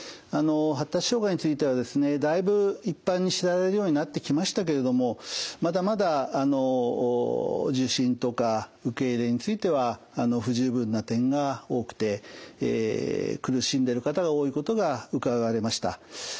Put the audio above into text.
発達障害についてはですねだいぶ一般に知られるようになってきましたけれどもまだまだ受診とか受け入れについては不十分な点が多くて苦しんでる方が多いことがうかがわれました。